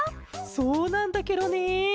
そうなんだケロね。